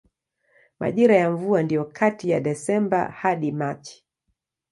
Majira ya mvua ndiyo kati ya Desemba hadi Machi.